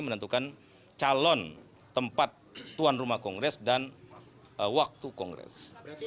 menentukan calon tempat tuan rumah kongres dan waktu kongres